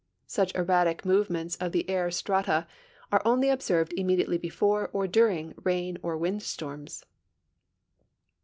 Such erratic movements of the air strata are only observed immediately l)efore or during rain or wind storms.